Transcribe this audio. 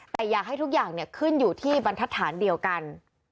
แต่อยากให้ทุกอย่างขึ้นอยู่ที่บรรทัศน์เดียวกัน